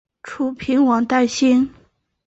楚平王担心。